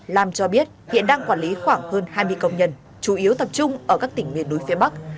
lam cho biết hiện đang quản lý khoảng hơn hai mươi công nhân chủ yếu tập trung ở các tỉnh miền núi phía bắc